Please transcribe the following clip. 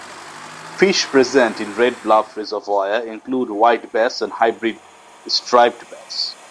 Fish present in Red Bluff Reservoir include white bass and hybrid striped bass.